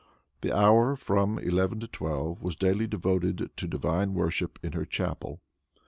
The hour, from eleven to twelve, was daily devoted to divine worship in her chapel.